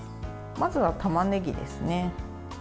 まずは、たまねぎですね。